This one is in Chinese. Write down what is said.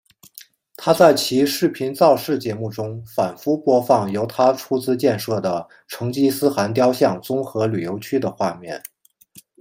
他在其视频造势节目中反复播放由他出资建设的成吉思汗雕像综合旅游区的画面。